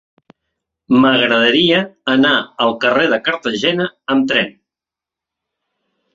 M'agradaria anar al carrer de Cartagena amb tren.